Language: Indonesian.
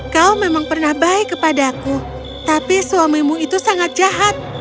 kau memang pernah baik kepadaku tapi suamimu itu sangat jahat